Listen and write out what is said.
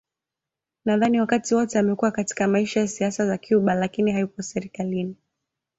Nadhani wakati wote amekuwa katika maisha ya siasa za Cuba lakini hayupo serikalini